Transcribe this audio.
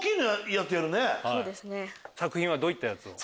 作品はどういったやつを？